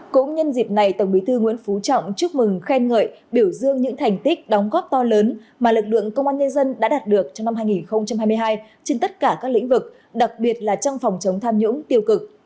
cũng nhân dịp này tổng bí thư nguyễn phú trọng chúc mừng khen ngợi biểu dương những thành tích đóng góp to lớn mà lực lượng công an nhân dân đã đạt được trong năm hai nghìn hai mươi hai trên tất cả các lĩnh vực đặc biệt là trong phòng chống tham nhũng tiêu cực